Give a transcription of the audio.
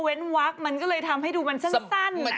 เว้นวักมันก็เลยทำให้ดูมันซั้นนะ